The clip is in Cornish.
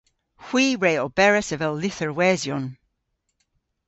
Hwi re oberas avel lytherwesyon.